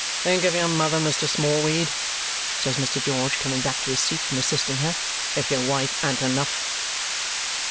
Think of your mother, Mr. Smallweed," says Mr. George, coming back to his seat from assisting her, "if your wife an't enough."